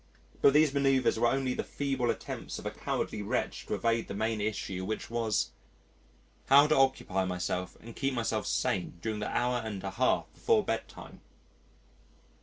But these manœuvres were only the feeble attempts of a cowardly wretch to evade the main issue which was: How to occupy myself and keep myself sane during the hour and a half before bedtime.